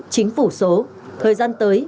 chính phủ số thời gian tới